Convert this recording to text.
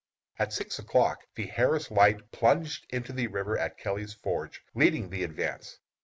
At six o'clock the Harris Light plunged into the river at Kelly's Ford, leading the advance.